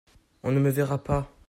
On ne me verra pas.